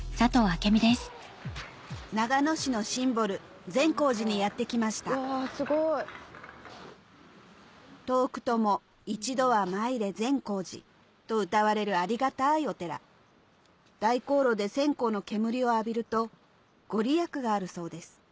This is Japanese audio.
長野市のシンボル善光寺にやって来ました「遠くとも一度は詣れ善光寺」とうたわれるありがたいお寺大香炉で線香の煙を浴びると御利益があるそうです